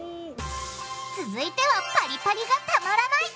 続いてはパリパリがたまらない！